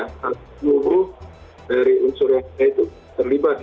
hal itu dari unsur yang kita itu terlibat ya